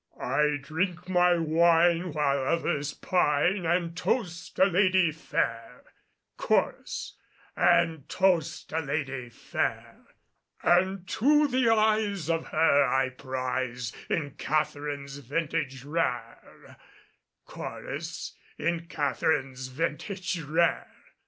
"I drink my wine While others pine, And toast a lady fair Chorus: And toast a lady fair! And to the eyes Of her I prize, In Catharine's vintage rare Chorus: In Catharine's vintage rare!